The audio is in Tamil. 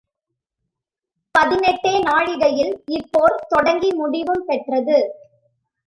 பதினெட்டே நாழிகையில் இப்போர் தொடங்கி முடிவும் பெற்றது.